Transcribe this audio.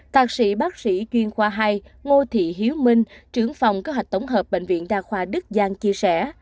thạc sĩ bác sĩ chuyên khoa hai ngô thị hiếu minh trưởng phòng kế hoạch tổng hợp bệnh viện đa khoa đức giang chia sẻ